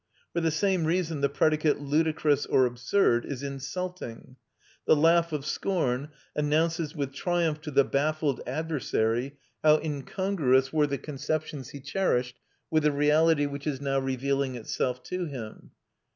For the same reason, the predicate "ludicrous" or "absurd" is insulting. The laugh of scorn announces with triumph to the baffled adversary how incongruous were the conceptions he cherished with the reality which is now revealing itself to him.